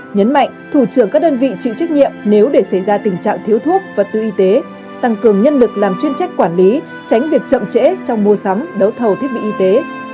nhấn mạnh thủ trưởng các đơn vị chịu trách nhiệm nếu để xảy ra tình trạng thiếu thuốc vật tư y tế tăng cường nhân lực làm chuyên trách quản lý tránh việc chậm trễ trong mua sắm đấu thầu thiết bị y tế